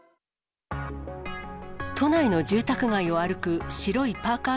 都内の住宅街を歩く白いパーカー